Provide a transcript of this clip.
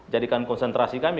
jadikan konsentrasi kami